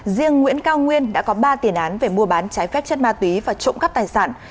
riêng nguyễn cao nguyên đã có ba tiền án về mua bán trái phép chất ma túy và trộm cắp tài sản